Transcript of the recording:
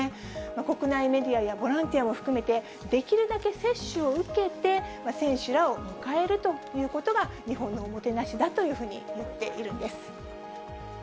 国内メディアやボランティアも含めて、できるだけ接種を受けて、選手らを迎えるということが、日本のおもてなしだというふうに言っているんです。